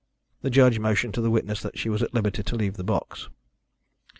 The judge motioned to the witness that she was at liberty to leave the box.